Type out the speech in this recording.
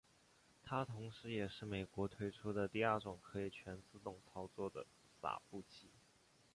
它同时也是美国推出的第二种可以全自动操作的洒布器。